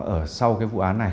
ở sau cái vụ án này